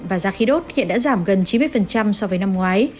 và giá khí đốt hiện đã giảm gần chín mươi so với năm ngoái